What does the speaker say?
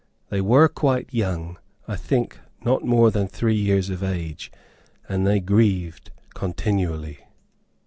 They were quite young, I think not more than three years of age, and they grieved continually.